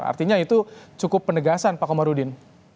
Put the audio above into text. artinya itu cukup penegasan pak komarudin